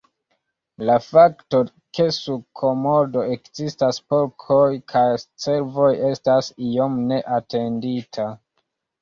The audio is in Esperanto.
La fakto ke sur Komodo ekzistas porkoj kaj cervoj estas iom neatendita.